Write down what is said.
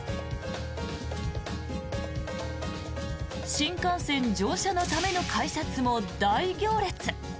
新幹線乗車のための改札も大行列。